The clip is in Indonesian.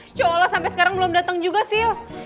sejauh ini sampai sekarang belum datang juga sil